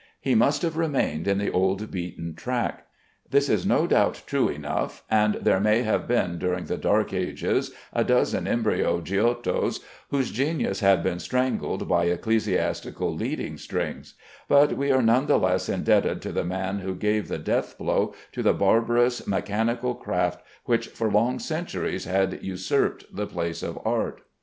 He must have remained in the old beaten track. This is no doubt true enough, and there may have been during the dark ages a dozen embryo Giottos whose genius had been strangled by ecclesiastical leading strings; but we are none the less indebted to the man who gave the death blow to the barbarous mechanical craft which for long centuries had usurped the place of art.